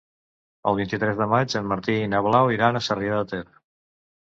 El vint-i-tres de maig en Martí i na Blau iran a Sarrià de Ter.